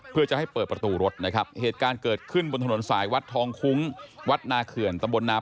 อย่าอย่าอย่าอย่าอย่าอย่าอย่าอย่าอย่าอย่าอย่าอย่าอย่าอย่าอย่าอย่าอย่าอย่าอย่า